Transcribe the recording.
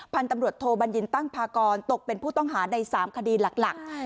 พันธุ์ตำรวจโทบัญญินตั้งพากรตกเป็นผู้ต้องหาใน๓คดีหลัก